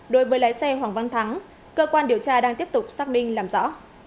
đối với lái xe hoàng văn thắng cơ quan điều tra đang tiếp tục xác minh làm rõ